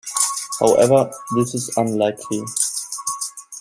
However, this is unlikely.